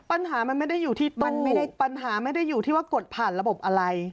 ปัญหามันไม่ได้อยู่ที่ต้นไม่ได้ปัญหาไม่ได้อยู่ที่ว่ากดผ่านระบบอะไร